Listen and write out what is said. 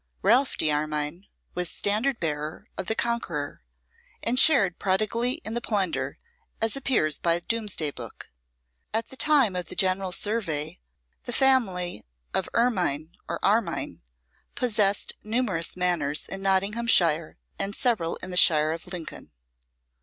Ralph d'Armyn was standard bearer of the Conqueror, and shared prodigally in the plunder, as appears by Doomsday Book. At the time of the general survey the family of Ermyn, or Armyn, possessed numerous manors in Nottinghamshire, and several in the shire of Lincoln.